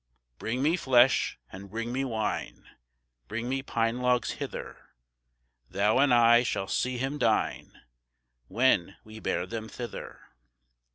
"Bring me flesh, and bring me wine, Bring me pine logs hither; Thou and I shall see him dine, When we bear them thither."